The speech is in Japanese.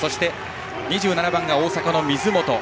２７番が大阪、水本。